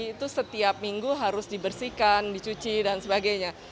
itu setiap minggu harus dibersihkan dicuci dan sebagainya